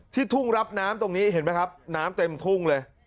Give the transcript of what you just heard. ทุ่งรับน้ำตรงนี้เห็นไหมครับน้ำเต็มทุ่งเลย